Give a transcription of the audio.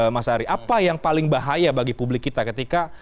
mas ari apa yang paling bahaya bagi publik kita ketika